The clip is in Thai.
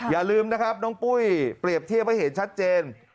อย่าลืมนะครับน้องปุ้ยเปรียบเทียบให้เห็นชัดเจน